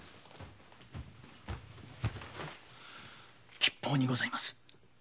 吉報にございます。